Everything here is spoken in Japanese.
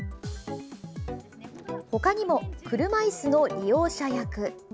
他にも車いすの利用者役。